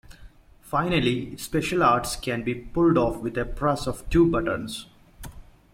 Finally, "special arts" can be pulled off with a press of two buttons.